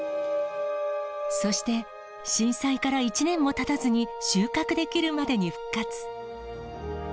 そして、震災から１年もたたずに収穫できるまでに復活。